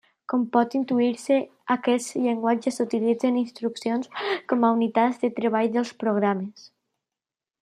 Com pot intuir-se, aquests llenguatges utilitzen instruccions com a unitats de treball dels programes.